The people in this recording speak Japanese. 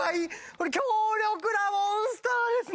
これ強力なモンスターですね。